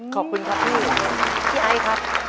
ขอบคุณครับ